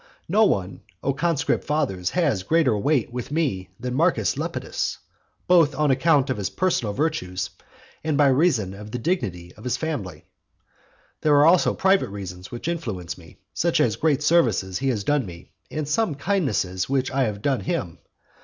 No one, O conscript fathers, has greater weight with me than Marcus Lepidus, both on account of his personal virtues and by reason of the dignity of his family. There are also private reasons which influence me, such as great services he has done me, and some kindnesses which I have done him.